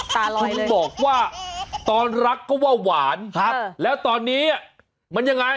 ตาลอยเลยคุณบอกว่าตอนรักก็ว่าหวานครับแล้วตอนนี้มันยังไง